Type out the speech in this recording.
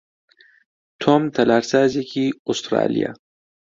تۆم تەلارسازێکی ئوسترالییە.